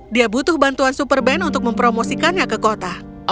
dia butuh bantuan super ben untuk menjaga kesehatan